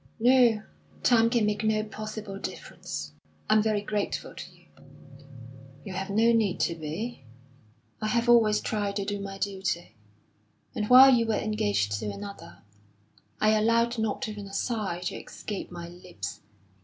"No; time can make no possible difference. I'm very grateful to you." "You have no need to be. I have always tried to do my duty, and while you were engaged to another, I allowed not even a sigh to escape my lips.